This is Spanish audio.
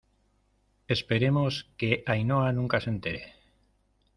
esperemos que Ainhoa nunca se entere